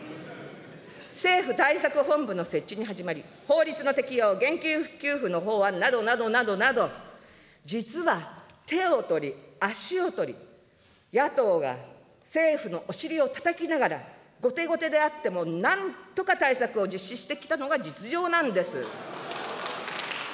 政府対策本部の設置に始まり、法律の適用、現金給付の法案などなどなど、実は手を取り、足を取り、野党が政府のお尻をたたきながら、後手後手であっても、対策を実施してきたのが実情なんです。